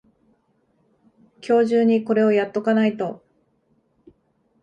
今日中にこれをやっとかないと